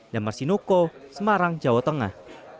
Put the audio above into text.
damar sinuko semarang jawa tengah